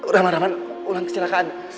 rahman rahman ulan kecelakaan